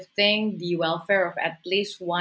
sedangkan juga memperkuat kekuatan